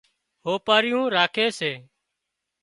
هوپارِيُون راکي سي